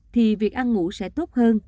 thì việc ăn ngủ sẽ tốt hơn